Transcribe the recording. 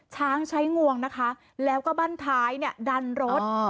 ช้างใช้งวงนะคะแล้วก็บ้านท้ายเนี่ยดันรถ